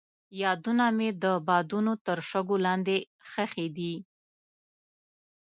یادونه مې د بادونو تر شګو لاندې ښخې دي.